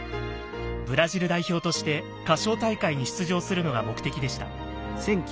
ブラジル代表として歌唱大会に出場するのが目的でした。